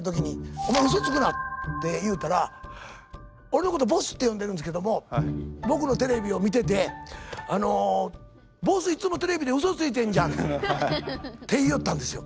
「お前ウソつくな」って言うたら俺のことボスって呼んでるんですけども僕のテレビを見てて「ボスいつもテレビでウソついてんじゃん」って言いよったんですよ。